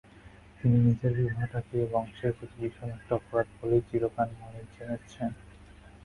তিনি নিজের বিবাহটাকে এ বংশের প্রতি বিষম একটা অপরাধ বলেই চিরকাল মনে জেনেছেন।